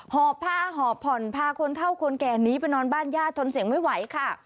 หอบผ้าหอบผ่อนพาคนเท่าคนแก่นี้ไปนอนบ้านญาติทนเสียงไม่ไหวค่ะ